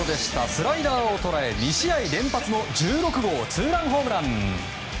スライダーを捉え２試合連発の１６号ツーランホームラン。